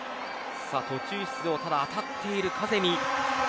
途中出場ただ当たっているカゼミ。